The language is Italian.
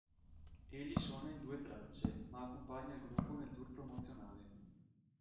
Egli suona in due tracce, ma accompagna il gruppo nel tour promozionale.